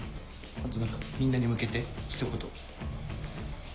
あと何かみんなに向けて一言。